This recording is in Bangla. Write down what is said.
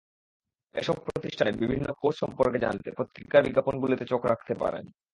এসব প্রতিষ্ঠানের বিভিন্ন কোর্স সম্পর্কে জানতে পত্রিকার বিজ্ঞাপনগুলোতে চোখ রাখতে পারেন।